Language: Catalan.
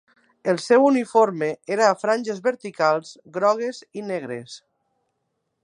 El seu uniforme era a franges verticals grogues i negres.